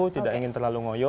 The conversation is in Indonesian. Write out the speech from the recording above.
tidak ingin terlalu ngoyo